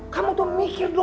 kamu tuh mikir dulu